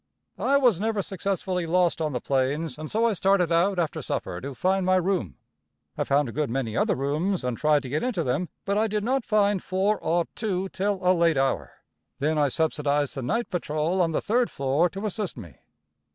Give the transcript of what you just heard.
I was never successfully lost on the plains, and so I started out after supper to find my room. I found a good many other rooms, and tried to get into them, but I did not find four ought two till a late hour; then I subsidized the night patrol on the third floor to assist me.